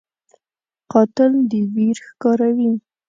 قاتل د ویر ښکاروي